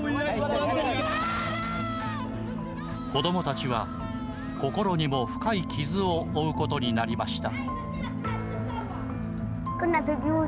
子どもたちは心にも深い傷を負うことになりました。